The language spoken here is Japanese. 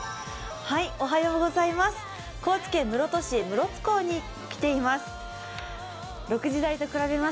高知県室戸市、室津港に来ています。